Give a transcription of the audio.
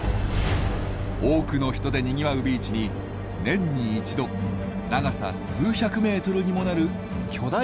多くの人でにぎわうビーチに年に一度長さ数百メートルにもなる巨大な黒い影が現れます。